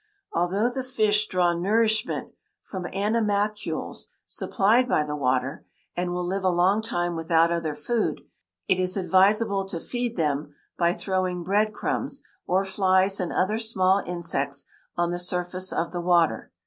Although the fish draw nourishment from animalcules supplied by the water, and will live a long time without other food, it is advisable to feed them by throwing bread crumbs, or flies and other small insects, on the surface of the water.